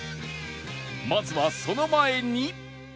まずはその前に